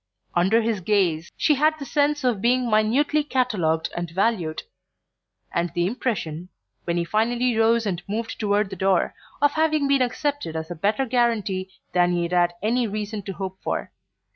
Under his gaze she had the sense of being minutely catalogued and valued; and the impression, when he finally rose and moved toward the door, of having been accepted as a better guarantee than he had had any reason to hope for.